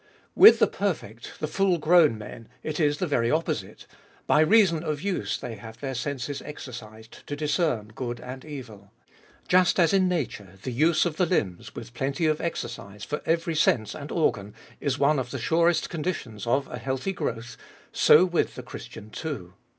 With the perfect, the full grown men, it is the very opposite: by reason of use they have their senses exercised to discern good and evil. Just as in nature the use of the limbs, with plenty of exercise for every sense and organ, is one of the surest conditions of a healthy growth, so with the Christian too.